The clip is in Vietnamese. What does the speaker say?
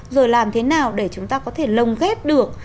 rồi làm thế nào để chúng ta có thể lồng ghép được